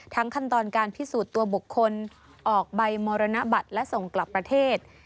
ขั้นตอนการพิสูจน์ตัวบุคคลออกใบมรณบัตรและส่งกลับประเทศ